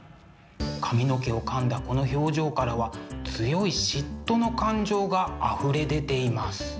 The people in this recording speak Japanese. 髪の毛をかんだこの表情からは強い嫉妬の感情があふれ出ています。